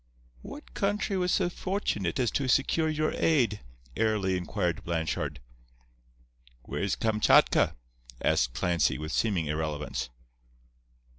"What country was so fortunate as to secure your aid?" airily inquired Blanchard. "Where's Kamchatka?" asked Clancy, with seeming irrelevance.